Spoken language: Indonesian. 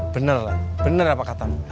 bener lah bener apa katamu